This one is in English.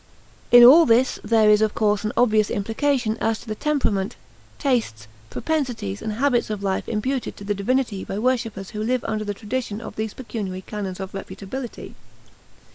In all this there is of course an obvious implication as to the temperament, tastes, propensities, and habits of life imputed to the divinity by worshippers who live under the tradition of these pecuniary canons of reputability.